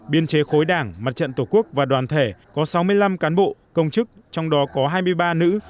biên chế khối đảng mặt trận tổ quốc và đoàn thể có sáu mươi năm cán bộ công chức trong đó có hai mươi ba nữ